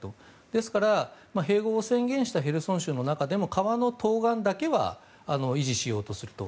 ですから、併合宣言をしたヘルソン州でも川の東岸だけは維持しようとすると。